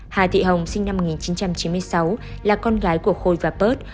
hà thị hồng sinh năm một nghìn chín trăm chín mươi sáu là con gái của khôi và pớt